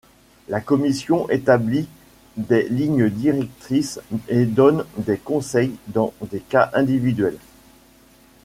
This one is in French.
La Commission établit des lignes directrices et donne des conseils dans des cas individuels.